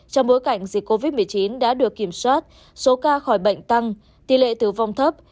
trong bối cảnh dịch covid một mươi chín đã được kiểm soát số ca khỏi bệnh tăng tỷ lệ tử vong thấp